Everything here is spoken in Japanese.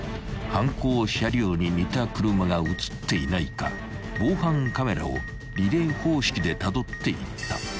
［犯行車両に似た車が写っていないか防犯カメラをリレー方式でたどっていった］